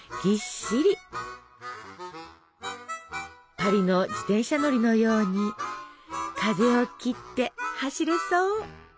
パリの自転車乗りのように風を切って走れそう！